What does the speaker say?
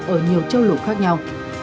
ở nhiều châu lục khác nhau